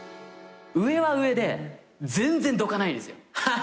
上は上で全然どかないんですよ。